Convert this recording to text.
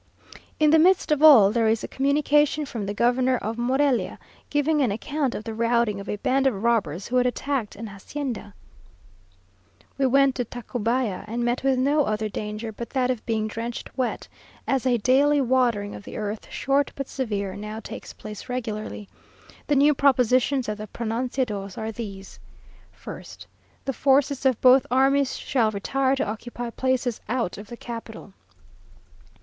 ... In the midst of all, there is a communication from the Governor of Morelia, giving an account of the routing of a band of robbers who had attacked an hacienda. We went to Tacubaya, and met with no other danger but that of being drenched wet; as a daily watering of the earth, short, but severe, now takes place regularly. The new propositions of the pronunciados are these: 1st. "The forces of both armies shall retire to occupy places out of the capital.